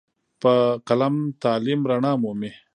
په قلم تعلیم رڼا مومي.